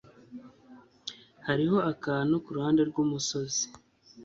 Hariho akazu kuruhande rwumusozi.